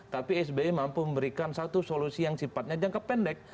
tapi sby mampu memberikan satu solusi yang sifatnya jangka pendek